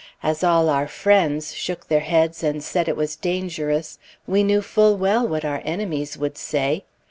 As all our friends shook their heads and said it was dangerous, we knew full well what our enemies would say.